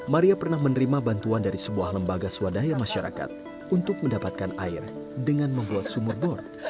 maria pernah menerima bantuan dari sebuah lembaga swadaya masyarakat untuk mendapatkan air dengan membuat sumur bor